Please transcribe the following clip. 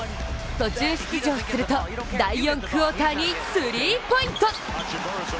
途中出場すると第４クオーターにスリーポイント。